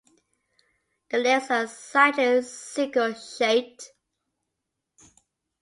The legs are slightly sickle shaped.